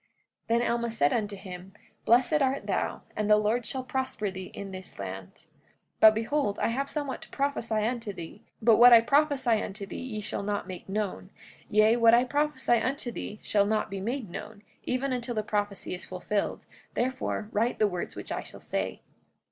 45:8 Then Alma said unto him: Blessed art thou; and the Lord shall prosper thee in this land. 45:9 But behold, I have somewhat to prophesy unto thee; but what I prophesy unto thee ye shall not make known; yea, what I prophesy unto thee shall not be made known, even until the prophecy is fulfilled; therefore write the words which I shall say.